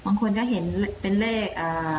บางคนก็เห็นเป็นเลข